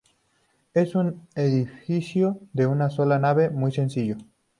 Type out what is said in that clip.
Es un edificio de una sola nave, muy sencillo.